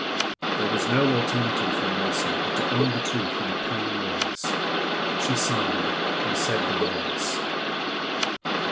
There was no alternative for Mercy but to own the truth in plain words. She sighed, and said the words.